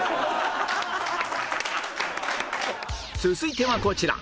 続いてはこちら